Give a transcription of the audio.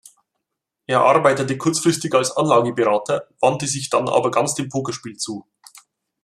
Er arbeitete kurzfristig als Anlageberater, wandte sich dann aber ganz dem Pokerspiel zu.